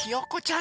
ん？